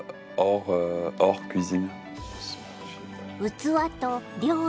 器と料理。